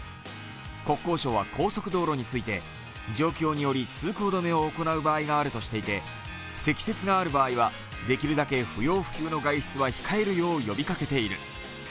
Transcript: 国交省は高速道路について、状況により通行止めを行う場合があるとしていて、積雪がある場合はできるだけ不要不急の外出は控えるよう呼びかけている。